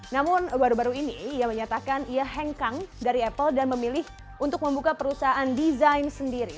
namun baru baru ini ia menyatakan ia hengkang dari apple dan memilih untuk membuka perusahaan desain sendiri